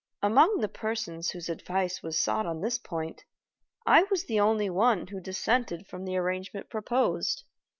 Among the persons whose advice was sought on this point, I was the only one who dissented from the arrangement proposed.